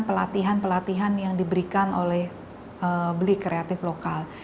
pelatihan pelatihan yang diberikan oleh beli kreatif lokal